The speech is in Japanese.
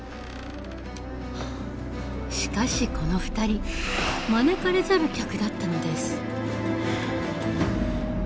しかしこの２人招かれざる客だったのです。